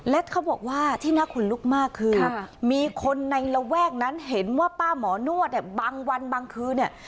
และเขาบอกว่าที่น่าขนลุกมากคือมีคนในระแวกนั้นเห็นว่าป้าหมอนวดเนี่ยบางวันบางคืนเนี่ย